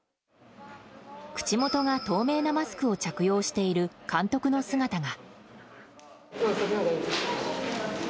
口元が透明なマスクを着用している監督の姿が。